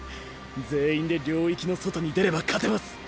全員で領域の外に出れば勝てます！